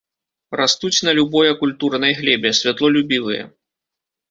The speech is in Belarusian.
Растуць на любой акультуранай глебе, святлолюбівыя.